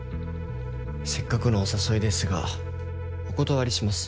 せっかくのお誘いですがお断りします。